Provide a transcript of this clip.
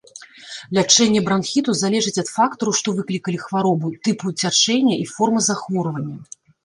Лячэнне бранхіту залежыць ад фактараў, што выклікалі хваробу, тыпу цячэння і формы захворвання.